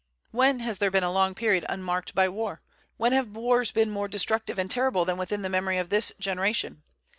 When has there been a long period unmarked by war? When have wars been more destructive and terrible than within the memory of this generation?